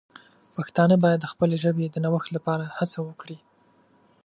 پښتانه باید د خپلې ژبې د نوښت لپاره هڅه وکړي.